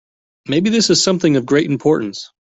Maybe this is something of great importance.